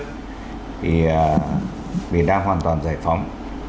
thì miền nam hoàn toàn giải phóng